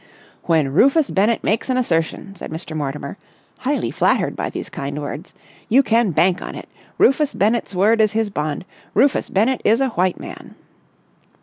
"When Rufus Bennett makes an assertion," said Mr. Mortimer, highly flattered by these kind words, "you can bank on it. Rufus Bennett's word is his bond. Rufus Bennett is a white man!"